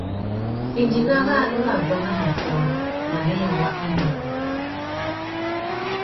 Idinga râā i mà guá nà matōh, manéya wa adôngô.